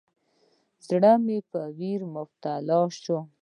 زړه مې په ویره کې مبتلا شو.